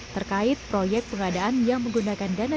terkait proyek pengadaan yang menggunakan dana